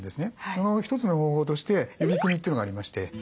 その一つの方法として指組みというのがありまして。